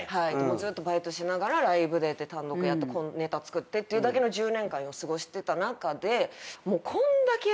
ずっとバイトしながらライブ出て単独やってネタ作ってっていうだけの１０年間過ごしてた中で。